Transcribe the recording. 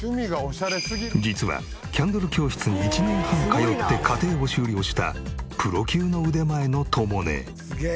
実はキャンドル教室に１年半通って課程を修了したプロ級の腕前のとも姉。